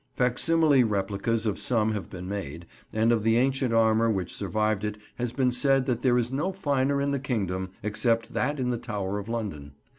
Facsimile replicas of some have been made, and of the ancient armour which survived it has been said that there is no finer in the Kingdom, except that in the Tower of London.